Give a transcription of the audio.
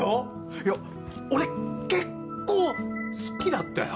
いや俺結構好きだったよ。